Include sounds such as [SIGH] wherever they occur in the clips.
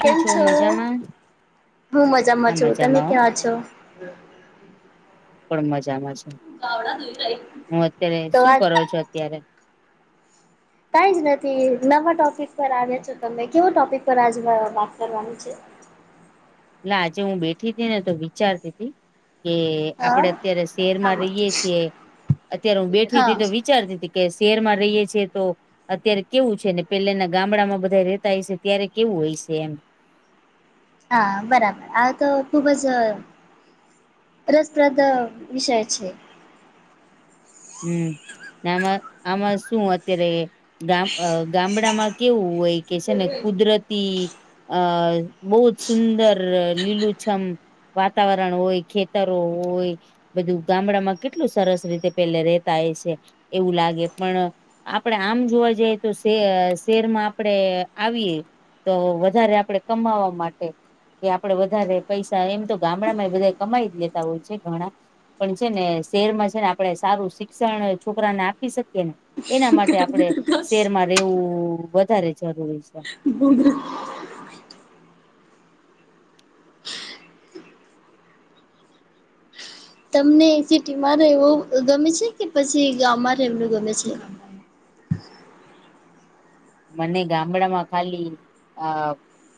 કેમ છો મજામાં? હું હા છું. તમે મજામાં હો ક્યાં છો? પણ મજામાં છે, હું અત્યારે તો શું આ કરો છો અત્યારે? કાઈ જ નથી નવા ટોપિક પર આવ્યા છો તમે કેવો ટોપિક પર આજ વાત કરવાની છે. ના આજે હું બેઠીતીને તો વિચારતી હતી. કે હા આપડે અત્યારે શહેરમાં રહીએ છીએ, અત્યારે હું બેઠી હા હતીતો વી ચારતીતી કે શેરમાં રહીએ છીએ તો અત્યારે કેવું છે, ને પેલાના ગામડામાં બધા રેતા હઈશે ત્યારે કેવું હઈશે એમ હા બરાબર આ તો ખુબ જ રસપ્રદ વિષય છે. હમ ને આમાં આમાં શું અત્યારે ગામ અ ગામડામાં કેવું હોય કે છે, ને કુદરતી અ બો સુંદર લીલુ છમ વાતાવરણ હોય ખેતરો હોય બધું ગામડામાં કેટલું સરસ રીતે પેલે રેતા હઈશે એવું લાગે પણ આપડે આમ જોવા જઈએ તો શે શેરમાં આપણે આવીએ તો વધારે આપડે કમાવા માટે કે આપડે વધારે પૈસા એમ તો ગામડામાં બધા કમાઈ જ લેતા હોય છે, ઘણા પણ છે, ને શેરમાં છે, ને આ આપણે સારું શિક્ષણ છોકરાને આપી શકીએ ને એના માટે આપણે શેરમાં રેવું વધારે જરૂરી છે. [INAUDIBLE] તમને સિટીમાં રહેવું ગમે છે, કે પછી ગામમાં રહેવુ ગમે છે? મને ગામડામાં ખાલી આ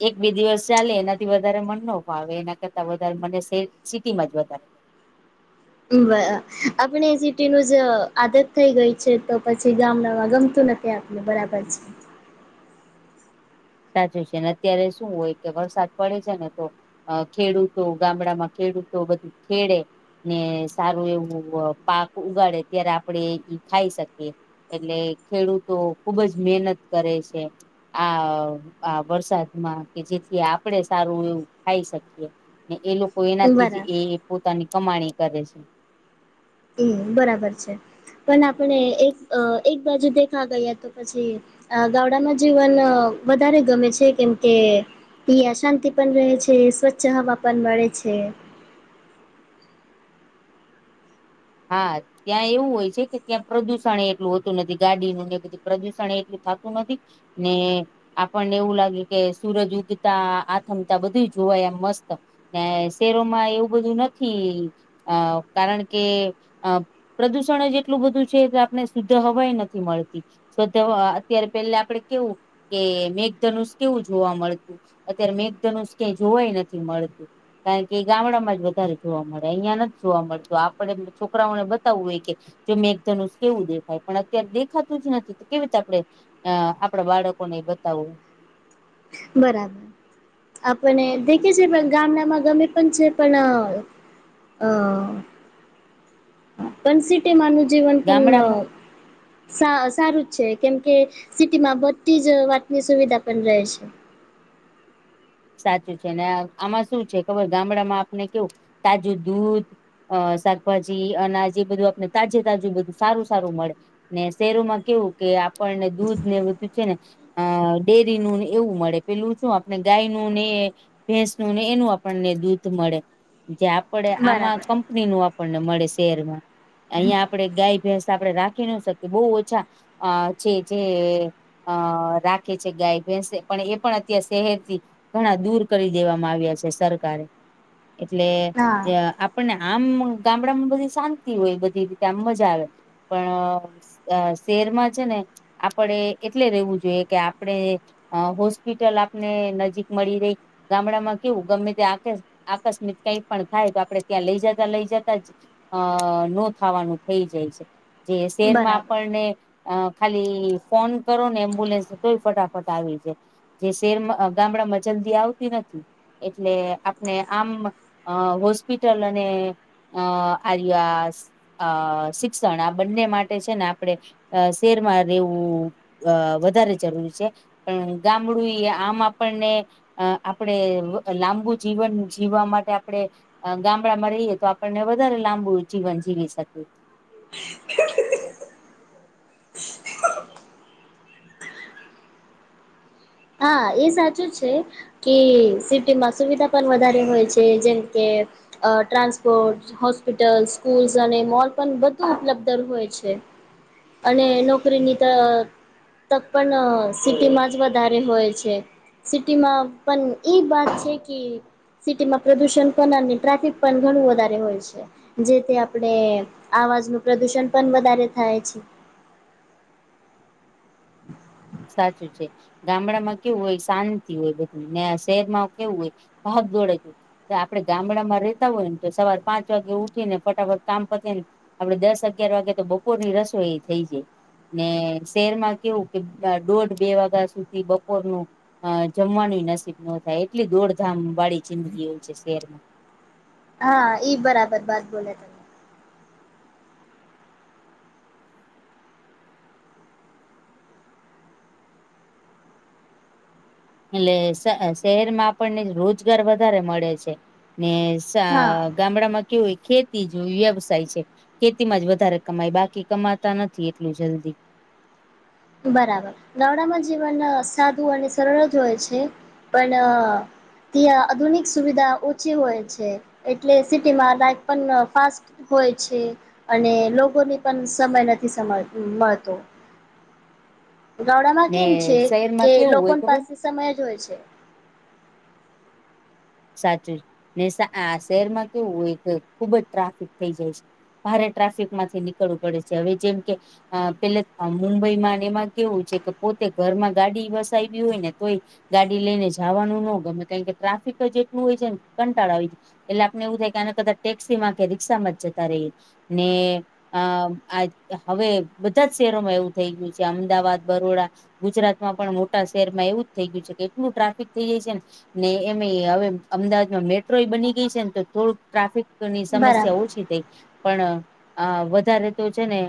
એક બે દિવસ ચાલે એનાથી વધારે મન ન ફાવે એના કરતા વધારે મને સે સિટીમાં જ વધારે વ આપણે સિટીનું જ આદત થઈ ગઈ છે, તો પછી ગામડામાં ગમતું ન તે આપને બરાબર છે. સાચું છે, ને અત્યારે શું હોય કે વરસાદ પડે છે, ને તો અ ખેડૂતો ગામડામાં ખેડૂતો બધું ખેડે ને સારું એવું પાક ઉગાડે ત્યારે આપણેે ઈ ખાઈ શકીએ. એટલે ખેડૂતો ખુબ જ મહેનત કરે છે, આ આ વરસાદમાં કે જેથી આપણેે સારું એવું ખાઈ શકીએ ને એ લો કો એનાથી જ બરાબર એ પોતાની કમાણી કરે છે. હમ બરાબર છે, પણ આપણે એક અ એક બાજુ દેખા ગયા તો પછી આ ગામડામાં જીવન વધારે ગમે છે, કેમ કે ઇયા શાંતિ પણ રહે છે, સ્વચ્છ હવા પણ મળે છે. હા. ત્યાં એવું હોય છે, કે ત્યાં પ્રદુષણ એટલું હોતું નથી ગાડીનું ને બધું પ્રદુષણ એટલું થાતું નથી. ને આપણને એવું લાગે કે સુરજ ઉગતા આથમતા બધું જોવાય એમ મસ્ત ને શેહરોમાં એવું બધું નથી અ કારણ કે અ પ્રદુષણ જ એટલું બધું છે, કે આપને શુદ્ધ હવાઈ નથી મળતી [INAUDIBLE] અત્યારે પેલા આપડે કેવું કે મેઘધનુષ કેવું જોવા મળતું. અત્યારે મેઘધનુષ ક્યાય જોવાય નથી મળતું કારણ કે એ ગામડામાં જ વધારે જોવા મળે અહિયાં નથ જોવા મળતું આપડે છોકરાઓને બતાવવું હોય કે જો મેઘધનુષ કેવું દેખાય પણ અત્યારે દેખાતું જ નથી તો કેવી રીતે આપડે અ આપડા બાળકોને એ બતાવવું બરાબર આપને દેખે છે પણ ગામડામાં ગમે પણ છે પણ અ પણ સિટી માનું જીવન પણ ગામડામાં સા સારું જ છે કેમ કે સિટીમાં બધી જ વાતની સુવિધા પણ રહે છે સાચું છે ને આમાં શું છે ખબર ગામડામાં આપને કેવું તાજું દૂધ અ શાકભાજી અનાજ એ બધું આપને તાજે તાજું બધું સારું સારું મળે ને શહેરો માં કેવું કે આપણને દૂધ ને બધું છે ને અ ડેરી નું ને એવું મળે પેલું શું આપણે ગાય નુ ને ભેસ નુ ને એનું આપને દૂધ મળે જે આપડે આમા બરાબર કાં કંપની નું આપણ ને મળે શહેરમાં અહિયા આપડે ગાય ભેંસ આપડે રાખી નો શકીએ બહુ ઓછા અ છે જે અ રાખે છે ગાય ભેંસ એ પણ એ પણ અત્યારે શહેરથી ઘણા દૂર કરી દેવામાં આવ્યા છે સરકારે એટલે એ હા આ આપણને આમ ગામડામાં બધી શાંતિ હોય બધી રીતે આમ મજા આવે પણ અ શેરમાં છે ને આપડે એટલે રેવું જોઈએ કે આપણે અ હોસ્પિટલ આપને નજીક મળી રેય ગામડામાં કેવું ગમે તે આક આકસ્મિક કંઈ પણ થાય તો આપડે ત્યાં લઈ જતા લઈ જતા જ અ નો થાવાનું થઈ જાય છે જે શેરમાં બરાબર આપણને અ ખાલી ફોન કરો ને એમ્બ્યુલન્સ ને તોય ફટાફટ આવી જાય જે શેરમાં અ ગામડા માં જલ્દી આવતી નથી એટલે આપને આમ હોસ્પિટલ અને અ આર્યુ આ અ શિક્ષણ આ બંને માટે છે ને આપડે અ શેરમાં રેવું અ વધારે જરૂરી છે પણ ગામડું ઈ આમ આપણને અ આપડે લાંબુ જીવન જીવવા માટે આપડે અ ગામડા માં રહીએ તો આપણને વધારે લાંબુ જીવન જીવી શકીએ [INAUDIBLE] હા એ સાચું છે કે સિટીમાં સુવિધા પણ વધારે હોય છે જેમ કે અ ટ્રાન્સપોર્ટ હોસ્પિટલ, સ્કૂલ્સ અને મોલ પણ બધુ ઉપલબ્ધન હોય છે અને નોકરીની ત તક પણ અ સિટીમાં જ વધ વધારે હોય છે સિટીમાં પણ ઈ વાત છે કે સિટીમાં પ્રદુષણ કરનાર ને ટ્રાફિક પણ ઘણું વધારે હોય છે જેથી આપણેે આવાજ નુ પ્રદુષણ પણ વધારે થાય છે સાચું છે ગામડામાં કેવું હોય શાંતિ હોય બધું ને આ શહેર માં કેવું હોય ભાગ દોડ જ હોય તો આપડે ગામડામાં રેતા હોય ને તો સવાર પાંચ વાગે ઉઠી ને ફટાફટ કામ પતી ને આપડે દસ અગીયાર વાગે તો બપોરની રસોઈ એય થઈ જાય ને શેર માં કેવું કે બાર દોઢ બે વાગ્યા સુધી બપોરનુ અ જમવાનું ય નસીબ નો થાય એટલી દોડધામ વાળી જીંદગી હોય છે શહેર મા હા ઈ બરાબર બાત બોલ્યા તમ એટલે શ શહેરમાં આપણને રોજગાર વધારે મળે છે ને શા હા ગામડામાં કેવું હોય ખેતી જેવી વ્યવસાય છે, ખેતી માંજ વધારે કમાય બાકી કમાતા નથી એટલું જલ્દી, બરાબર ગામડામાં જીવન સાદુ અને સરળજ હોય છે પણ, ત્યાં આધુનિક સુવિધા ઓછી હોય છે એટલે સિટીમાં લાાઈફ પણ અ ફાસ્ટ, હોય છે અને લોકોને પણ સમય નથી મળતો, ગામડામાં ને કેમ છે કે શહેરમાં કેવું લોકો હોય ની ખબર પાસે સમયજ હોય છે, સાચું જ ને આ શહેરમાં કેવું હોય કે ખુબ જ ટ્રાફિક થઈ જાય છે, ભારે ટ્રાફિકમાંથી નીકળવું પડે છે હવે જેમ કે, અ પેલે અ મુંબઈમાં ને એમાં કેવું છે કે પોતે ઘરમાં ગાડી વસાવી હોય ને તોય, ગાડી લઈને જવાનું નો ગમે કારણ કે ટ્રાફિક એટલું હોય છે ને કંટાળો આવી જાય, એટલે આપને એવું થાય કે આના કરતા ટેક્સી માં કે રિક્ષા માં જ જતા રહીએ ને, અ આ હવે બધા જ શહેરોમાં એવું થઈ ગયું છે અમદાવાદ બરોડા, ગુજરાત માં પણ મોટા શહેરમાં એવું જ થઈ ગયું છે કે એટલું ટ્રાફિક થઈ જાય છે ને એ, હવે અમદાવાદમાં મેટ્રો બની ગઈ છે ને તો થોડુંક ટ્રાફિક, ની સમસ્યા બરાબર ઓછી થઈ પણ આ વધારે તો છે ને,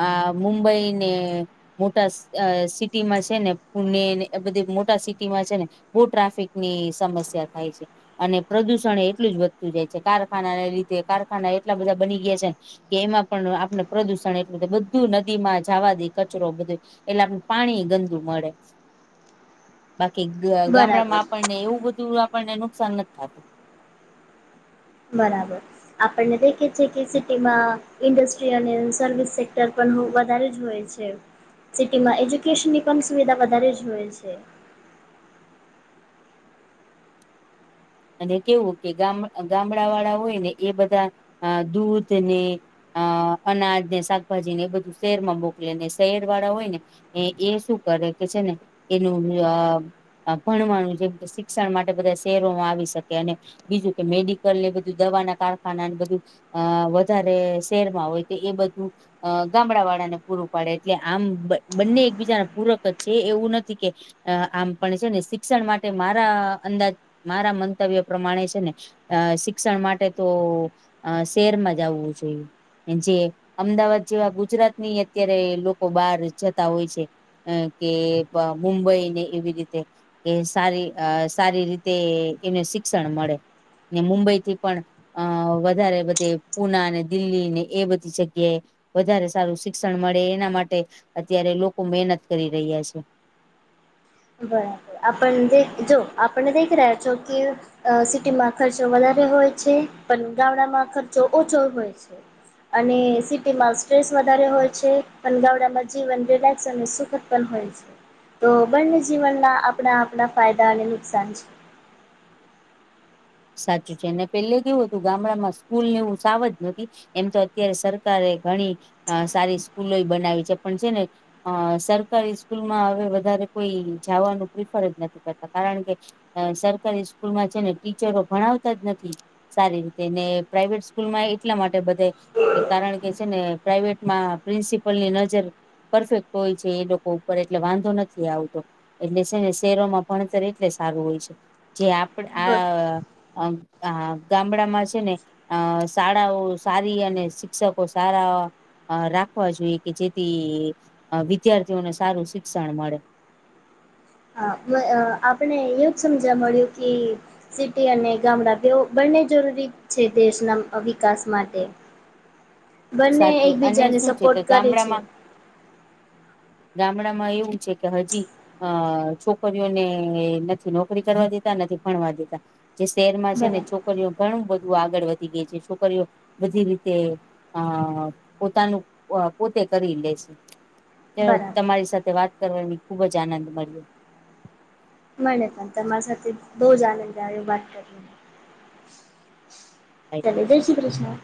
આ મુંબઈ ને, મોટા સિટીમાં છે ને પુણેને બધી મોટા સિટીમાં છે ને, બોવ ટ્રાફિકની સમસ્યા થાય છે., અને પ્રદુષણ એટલું જ વધતું જાય છે કારખાનાને લીધે કારખાના એટલા બધા બની ગયા છે ને, કે એમાં પણ આપણે પ્રદુષણ એટલું બધું નદીમાં જાવા દે કચરો બધોઇ, એટલે આપણને પાણી ગંદુ મળે, બાકી ગામડામાં બરાબર આપણને એવું બધું આપણને નુકસાન નથી થતું, બરાબર, આપણને દેખે છે કે સિટીમાં ઇન્ડસ્ટ્રી અને સર્વિસ સેક્ટર પણ વધારે જ હોય, છે સિટીમાં એજ્યુકેશનની પણ સુવિધા વધારે જ હોય છે., અને કેવું કે ગામડાવાળા હોય ને એ બધા દૂધ કે, અ અનાજ ને શાકભાજી ને એ બધું શહેરમાં મોકલે ને શહેર વાળા હોય ને, એ શું કરે કે છે ને એનું, ભણવાનું જેમ શિક્ષણ માટે બધા શહેરોમાં આવી, શકે અને બીજું કે મેડિકલ ને બધું દવાના કારખાના ને બધું, અ વધારે શહેરમાં હોય તો એ બધું, અ ગામડા વાળા ને પૂરું પાડે એટલે આમ બંને એકબીજાના પૂરક જ છે એવું નથી કે, અ આમ પણ છે ને શિક્ષણ માટે મારા અંદાજ મારા, મંતવ્ય પ્રમાણે છે ને અ શિક્ષણ માટે તો શહેરમાં જ આવવું જોઈએ, જે અમદાવાદ જેવા ગુજરાત ની અત્યારે લોકો બહાર જતા હોય છે., અ કે મુંબઈ ને એવી રીતે, એ સારી સારી રીતે એને શિક્ષણ મળે ને મુંબઈ થી પણ, અ વધારે બધે પુના ને દિલ્હી ને એ બધી જગ્યાએ, વધારે સારું શિક્ષણ મળે એના માટે અત્યારે લોકો મહેનત કરી રહ્યા છે, બરાબર આપણ જો આપણને દેખી રહ્યા છો કે, અ સિટીમાં ખર્ચો વધારે હોય છે પણ ગામડામાં ખર્ચો ઓછો હોય છે., અને સિટીમાં સ્ટ્રેસ વધારે હોય છે અને ગામડામાં જીવન રિલેક્સ અને સુખી, પણ હોય છે તો બંને જીવનના આપણા આપણા ફાયદા અને નુકસાન છે, સાચું છે અને પેલે કેવું હતું ગામડામાં સ્કૂલ ને એવું સાવ જ નથી, એમ તો અત્યારે સરકારે ઘણી સારી સ્કૂલો બનાવી છે પણ છે ને, અ સરકારી સ્કૂલમાં હવે વધારે કોઈ જાવાનું પ્રિફર જ નથી કરતા કારણ કે સરકારી સ્કૂલમાં છે ને ટીચરો ભણાવતા જ નથી સારી રીતે ને પ્રાાઈવેટ સ્કૂલ માં એટલા માટે બધે કે કારણ કે છે ને પ્રાઈવેટ માં પ્રિન્સિપલ ની નજર પરફેક્ટ હોય છે એ લોકો ઉપર એટલે વાંધો નથી આવતો એટલે છે ને શહેરોમાં ભણતર એટલે સારું હોય છે જે આપ છે. આ આમ અ ગામડામાં છે ને અ શાળાઓ સારી અને શિક્ષકો સારા અ રાખવા જોઈએ કે જેથી વિદ્યાર્થીઓને સારું શિક્ષણ મળે હા આપણને એવું જ સમજવા મળ્યું કે સિટી અને ગામડા બંને જરૂરી છે દેશના વિકાસ માટે બંને સાચું અને એકબીજાને શું છે કે સપોર્ટ કરે છે. ગામડામાં ગામડામાં એવું છે કે હજી અ છોકરીઓને નથી નોકરી કરવા દેતા નથી ભણવા દેતા જે શહેરમાં છે ને બરાબર છોકરીઓ ઘણું બધું આગળ વધી ગઈ છે છોકરીઓ બધી રીતે હા પોતાનું પોતે કરી લે છે. ચાલ બરાબર તમારી સાથે વાત કરવાની ખુબ જ આનંદ મળ્યો. મને પણ તમારા સાથે બોવ જ આનંદ આવ્યો વાત કરી. ચાલો જય શ્રી કૃષ્ણ